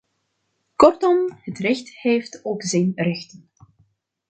Kortom, het recht heeft ook zijn rechten.